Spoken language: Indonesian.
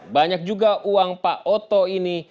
banyak juga uang pak oto ini